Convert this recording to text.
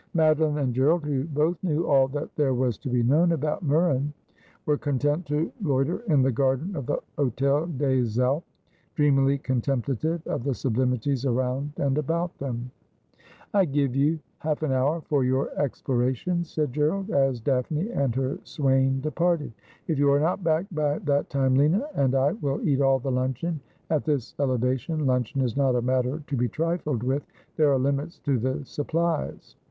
Madoline and Gerald, who both knew all that there was to be known about Murren, were content to loiter in the garden of the Hotel des Alpes, dreamily contemplative of the sublimities around and about them. ^Love is not Old, as lohan that it is New.' 313 ' I give you half an hour for your explorations,' said Gerald, as Daphne and her swain departed ;' if you are not back by that time, Lina and I will eat all the luncheon. At this eleva tion luncheon is not a matter to be trifled with. There are limits to the supplies.'